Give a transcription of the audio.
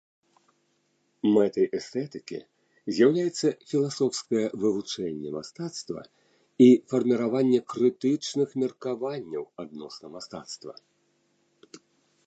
Мэтай эстэтыкі з'яўляецца філасофскае вывучэнне мастацтва і фарміраванне крытычных меркаванняў адносна мастацтва.